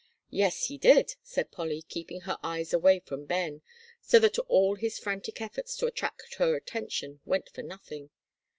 "Yes, he did," said Polly, keeping her eyes away from Ben, so that all his frantic efforts to attract her attention went for nothing.